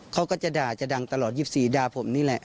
เขาก็จะด่าจะดังตลอด๒๔ด่าผมนี่แหละ